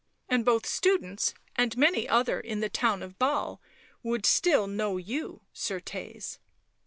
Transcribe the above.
" And both students and many other in the the town of Basle would still know you, ccrtes."